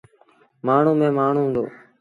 مآڻهوٚݩ ميݩ مآڻهوٚݩ هُݩدو۔